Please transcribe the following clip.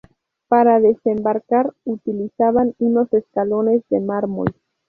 Para desembarcar utilizaban unos escalones de mármol.